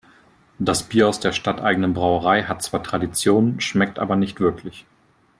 Das Bier aus der stadteigenen Brauerei hat zwar Tradition, schmeckt aber nicht wirklich.